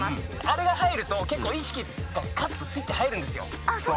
あれが入ると結構意識がカッとスイッチ入るんですよ。